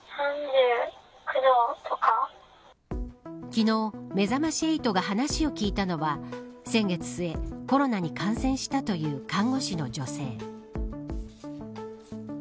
昨日、めざまし８が話を聞いたのは先月末、コロナに感染したという看護師の女性。